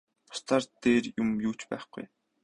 Бусдаар дээр юм юу ч байхгүй.